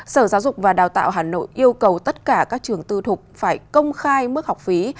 sở giáo dục và đào tạo hà nội yêu cầu tất cả các trường tư thục phải công khai mức học phí